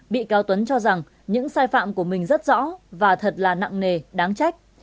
bị cáo tuấn cho rằng những sai phạm của mình rất rõ và thật là nặng nề đáng trách